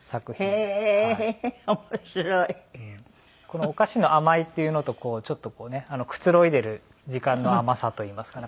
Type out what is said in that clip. このお菓子の甘いっていうのとちょっとこうねくつろいでる時間の甘さといいますか。